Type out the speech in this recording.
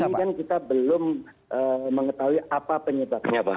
ini kan kita belum mengetahui apa penyebabnya pak